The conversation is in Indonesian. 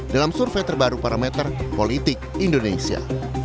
dalam survei terbaru parameter politik indonesia